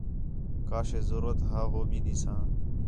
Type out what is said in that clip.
کا شے ضرورت ہا ہو بھی ݙیساں